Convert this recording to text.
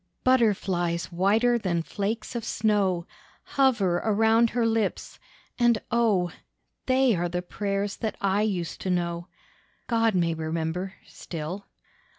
Butterflies whiter than flakes of snow Hover around her lips, and oh! They are the prayers that I used to know, God may remember still.